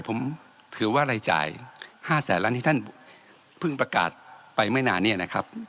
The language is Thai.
ผมถือว่ารายจ่าย๕แสนล้านที่ท่านเพิ่งประกาศไปไม่นานเนี่ยนะครับ